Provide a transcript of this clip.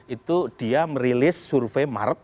itu dia merilis survei maret